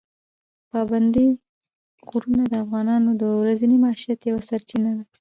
پابندي غرونه د افغانانو د ورځني معیشت یوه سرچینه ده.